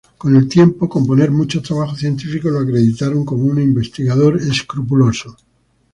Con el tiempo, componer muchos trabajos científicos lo acreditaron como un investigador escrupuloso.